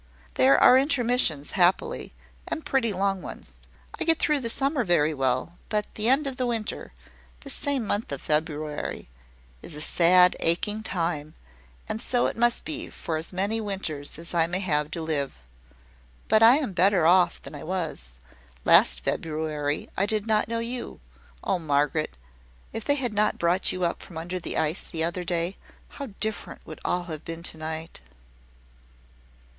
There are intermissions, happily, and pretty long ones. I get through the summer very well; but the end of the winter this same month of February is a sad aching time; and so it must be for as many winters as I may have to live. But I am better off than I was. Last February I did not know you. Oh, Margaret, if they had not brought you up from under the ice, the other day, how different would all have been to night!"